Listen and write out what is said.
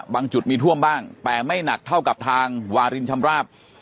จุดมีท่วมบ้างแต่ไม่หนักเท่ากับทางวารินชำราบ